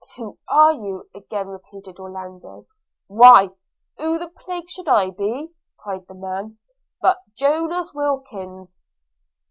'Who are you?' again repeated Orlando. 'Why, who the plague should I be,' cried the man, 'but Jonas Wilkins?